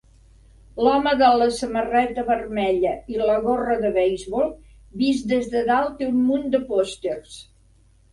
L'home de la samarreta vermella i la gorra de beisbol vist des de dalt té un munt de pòsters.